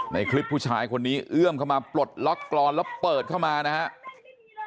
ในคลิปผู้ชายคนนี้เอื้อมเข้ามาปลดล็อกกรอนแล้วเปิดเข้ามานะครับ